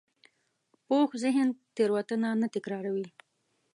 پوخ ذهن تېروتنه نه تکراروي